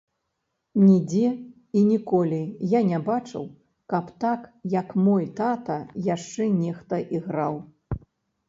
Нідзе і ніколі я не бачыў, каб так, як мой тата, яшчэ нехта іграў.